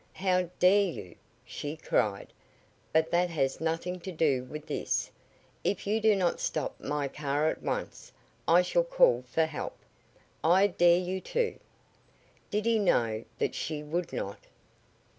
"How dare you!" she cried. "But that has nothing to do with this. If you do not stop my car at once I shall call for help!" "I dare you to!" Did he know that she would not?